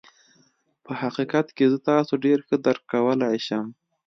په حقيقت کې زه تاسو ډېر ښه درک کولای شم.